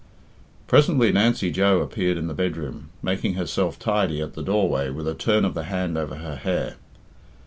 Presently Nancy Joe appeared in the bedroom, making herself tidy at the doorway with a turn of the hand over her hair.